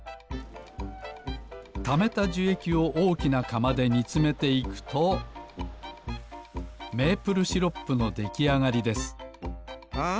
ためたじゅえきをおおきなかまでにつめていくとメープルシロップのできあがりですあ